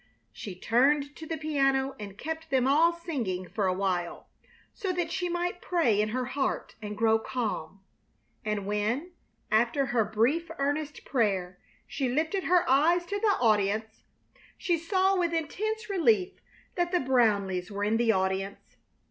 She turned to the piano and kept them all singing for a while, so that she might pray in her heart and grow calm; and when, after her brief, earnest prayer, she lifted her eyes to the audience, she saw with intense relief that the Brownleighs were in the audience.